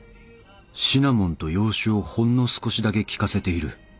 シナモンと洋酒をほんの少しだけ効かせている。